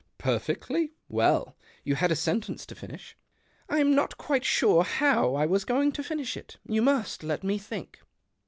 " Perfectly. Well ? You had a sentence to finish." " I'm not quite sure how I was going to finish it : you must let me think."